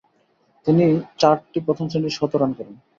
তিনি চারটি প্রথম-শ্রেণীর শতরান করেন।